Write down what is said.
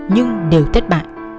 nhưng đều thất bại